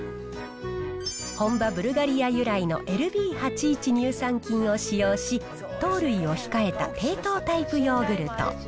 本場、ブルガリア由来のＬＢ８１乳酸菌を使用し、糖類を控えた低糖タイプヨーグルト。